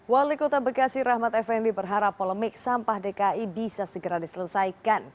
wali kota bekasi rahmat effendi berharap polemik sampah dki bisa segera diselesaikan